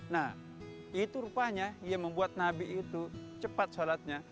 nah itu rupanya yang membuat nabi itu cepat sholatnya